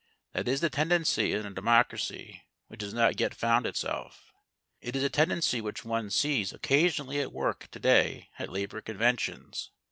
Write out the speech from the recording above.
That is the tendency in a democracy which has not yet found itself. It is a tendency which one sees occasionally at work to day at labour conventions.